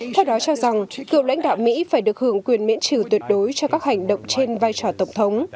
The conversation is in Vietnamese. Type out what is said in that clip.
theo đó cho rằng cựu lãnh đạo mỹ phải được hưởng quyền miễn trừ tuyệt đối cho các hành động trên vai trò tổng thống